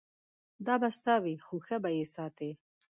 دا به ستا وي خو ښه به یې ساتې.